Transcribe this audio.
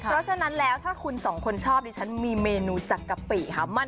เพราะฉะนั้นแล้วถ้าคุณสองคนชอบดิฉันมีเมนูจากกะปิค่ะ